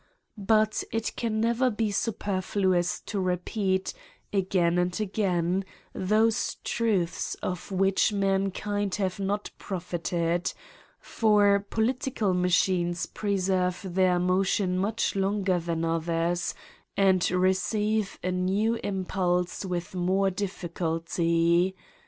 But it can never be superfluous to repeat, again and again, those truths of which mankind have not profited ; for political machines ' preserve their motion much longer than others, and receive a new impulse widi more difficulty.